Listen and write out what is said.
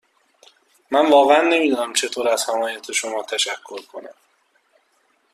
من واقعا نمی دانم چطور از حمایت تو تشکر کنم.